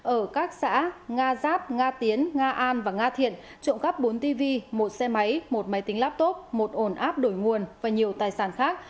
ở các xã nga giáp nga tiến nga an và nga thiện trộm cắp bốn tv một xe máy một máy tính laptop một ổ áp đổi nguồn và nhiều tài sản khác